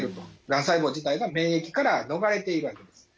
がん細胞自体が免疫から逃れているわけです。